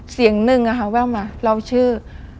เสียงหนึ่งแววมาเราชื่อ